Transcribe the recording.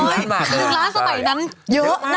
๑ล้านสมัยนั้นเยอะนะ